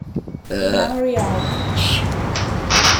In Memory Of...